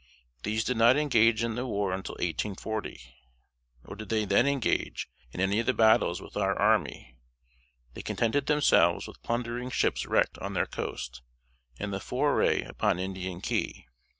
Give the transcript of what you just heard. These did not engage in the war until 1840: nor did they then engage in any of the battles with our army; they contented themselves with plundering ships wrecked on their coast, and the foray upon Indian Key.